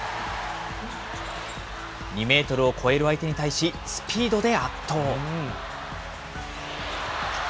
２メートルを超える相手に対し、スピードで圧倒。